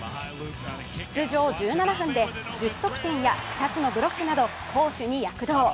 出場１７分で１０得点や２つのブロックなど攻守に躍動！